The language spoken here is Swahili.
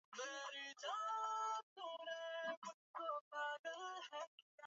Alimweleza dereva sehemu ya kumpeleka kisha wakaanza safari